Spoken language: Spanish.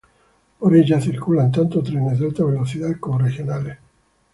Por ella circulan tanto trenes de alta velocidad como regionales.